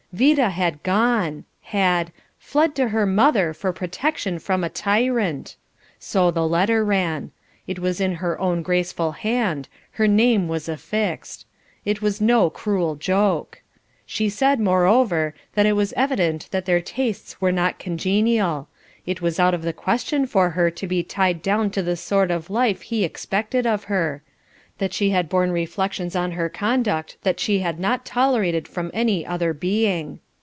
Vida had gone! Had "fled to her mother for protection from a tyrant." So the letter ran; it was in her own graceful hand; her name was affixed. It was no cruel joke. She said, moreover, that it was evident that their tastes were not congenial; it was out of the question for her to be tied down to the sort of life he expected of her; that she had borne reflections on her conduct that she had not tolerated from any other being!